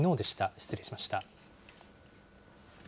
失礼しました。